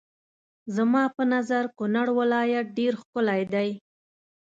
زما په نظر کونړ ولايت ډېر ښکلی دی.